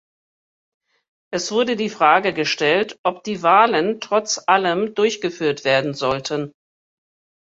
Es wurde die Frage gestellt, ob die Wahlen trotz allem durchgeführt werden sollten.